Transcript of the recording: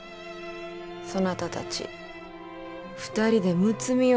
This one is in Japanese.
そなたたち２人でむつみ合うてみよ。